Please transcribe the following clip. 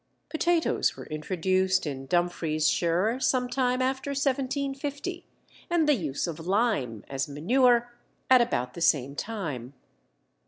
" Potatoes were introduced in Dumfriesshire some time after 1750, and the use of lime as manure at about the same time.